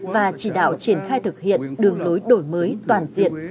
và chỉ đạo triển khai thực hiện đường lối đổi mới toàn diện